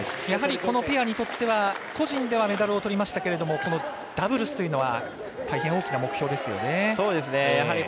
このペアにとっては個人ではメダルをとりましたけどダブルスというのは大変大きな目標ですよね。